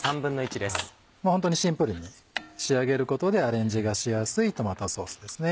ホントにシンプルに仕上げることでアレンジがしやすいトマトソースです。